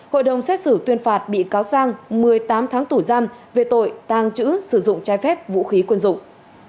hội đồng xét xử tuyên phạt bị cáo sang một mươi tám tháng tủ giam về tội tàng trữ sử dụng trái phép vũ khí quân dụng